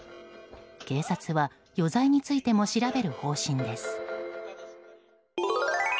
警察は余罪についても調べる方針です。